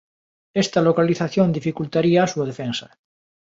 Esta localización dificultaría a súa defensa.